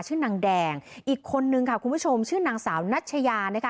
ชื่อนางแดงอีกคนนึงค่ะคุณผู้ชมชื่อนางสาวนัชยานะคะ